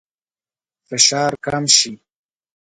فشار کم شي.